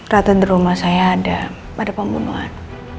rata dari rumah saya ada pada pembunuhan